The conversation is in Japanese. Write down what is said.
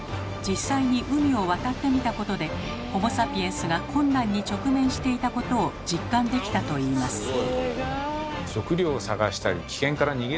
実際に海を渡ってみたことでホモ・サピエンスが困難に直面していたことを実感できたといいます。